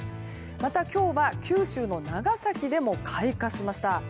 また、今日は九州の長崎でも開花しました。